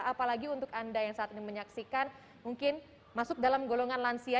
apalagi untuk anda yang saat ini menyaksikan mungkin masuk dalam golongan lansia